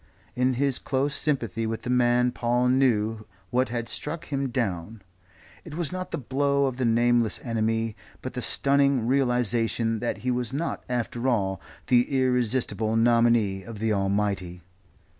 In his close sympathy with the man Paul knew what had struck him down. It was not the blow of the nameless enemy, but the stunning realization that he was not, after all, the irresistible nominee of the Almighty.